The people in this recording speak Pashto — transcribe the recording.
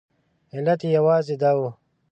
علت یې یوازې دا و.